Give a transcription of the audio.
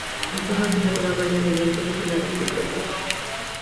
Las hojas son de color verde brillante, lobuladas y opuestas.